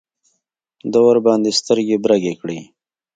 ده ورباندې سترګې برګې کړې.